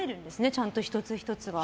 ちゃんと１つ１つが。